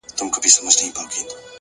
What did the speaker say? علم د پوهې دروازې پرانیزي!